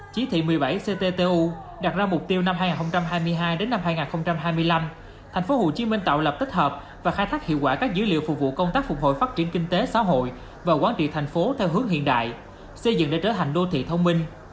chỉ thị một mươi bảy cttu đặt ra mục tiêu năm hai nghìn hai mươi hai nghìn hai mươi năm tp hcm tạo lập tích hợp và khai thác hiệu quả các dữ liệu phục vụ công tác phục hồi phát triển kinh tế xã hội và quản trị thành phố theo hướng hiện đại xây dựng để trở thành đô thị thông minh